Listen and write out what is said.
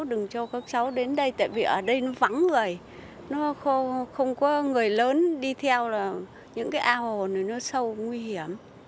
đừng cho các cháu đến đây tại vì ở đây nó vắng người nó không có người lớn đi theo là những cái ao hồ này nó sâu nguy hiểm